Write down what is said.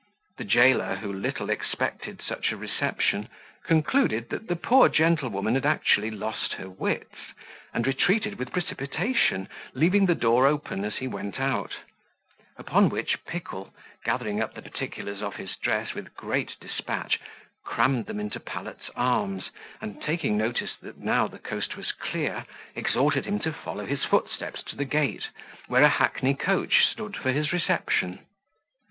The jailer, who little expected such a reception, concluded that the poor gentlewoman had actually lost her wits, and retreated with precipitation, leaving the door open as he went out; upon which Pickle, gathering up the particulars of his dress with great despatch, crammed them into Pallet's arms, and taking notice that now the coast was clear, exhorted him to follow his footsteps to the gate, where a hackney coach stood for his reception.